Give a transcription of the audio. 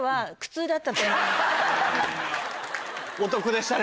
お得でしたね